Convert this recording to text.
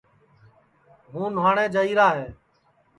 ہُوں نھُاٹؔیں جائیرا ہے